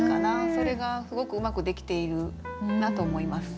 それがすごくうまくできているなと思います。